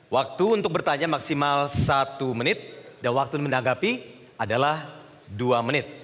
waktu untuk bertanya maksimal satu menit dan waktu menanggapi adalah dua menit